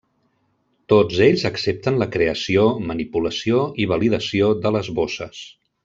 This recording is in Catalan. Tots ells accepten la creació, manipulació i validació de les bosses.